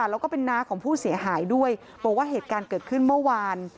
แล้วก็เป็นน้าของผู้เสียหายด้วยบอกว่าเหตุการณ์เกิดขึ้นเมื่อวาน